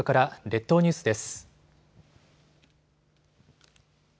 列島ニュースです。